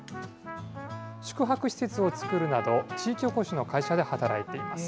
宿泊施設を作るなど、地域おこしの会社で働いています。